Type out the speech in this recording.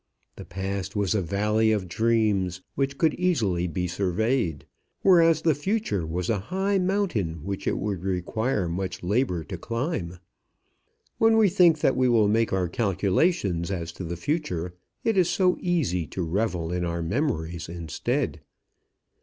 The past was a valley of dreams, which could easily be surveyed, whereas the future was a high mountain which it would require much labour to climb. When we think that we will make our calculations as to the future, it is so easy to revel in our memories instead.